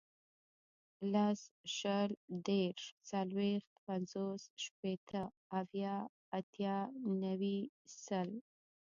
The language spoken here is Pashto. لس, شل, دېرش, څلوېښت, پنځوس, شپېته, اویا, اتیا, نوي, سل